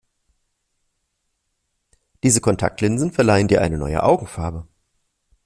Diese Kontaktlinsen verleihen dir eine neue Augenfarbe.